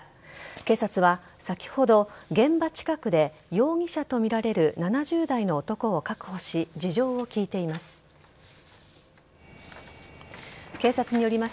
警察は先ほど、現場近くで容疑者とみられる７０代の男を確保し事情を聴いています。